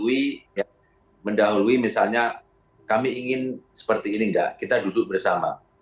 kita gak ingin mendahului misalnya kami ingin seperti ini enggak kita duduk bersama